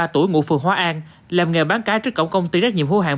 bốn mươi ba tuổi ngủ phường hóa an làm nghề bán cái trước cổng công ty trách nhiệm hữu hạng